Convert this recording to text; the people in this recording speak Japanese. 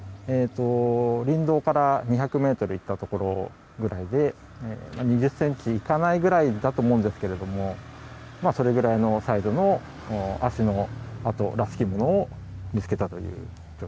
林道から２００ｍ行ったところぐらいで２０ｃｍいかないくらいだと思うんですがそれぐらいのサイズの足跡らしきものを見つけました。